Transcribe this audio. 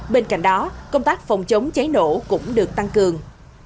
bên cạnh đó công tác phòng chống cháy nổ cũng được tăng cường